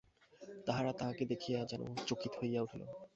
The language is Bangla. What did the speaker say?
তাহারা তাহাকে দেখিয়া যেন চকিত হইয়া উঠিল।